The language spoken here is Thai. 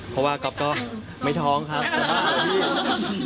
เพราะว่าก๊อฟก็ไม่ท้องครับ